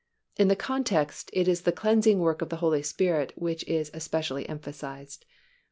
In the context, it is the cleansing work of the Holy Spirit which is especially emphasized (Isa.